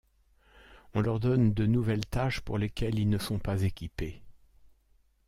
On leur donne de nouvelles tâches, pour lesquelles ils ne sont pas équipés.